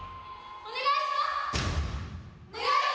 お願いします！